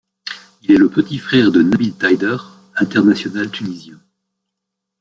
Il est le petit frère de Nabil Taïder, international tunisien.